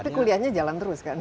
tapi kuliahnya jalan terus kan